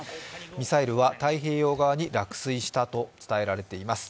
ミサイルは太平洋側に落水したと伝えられています。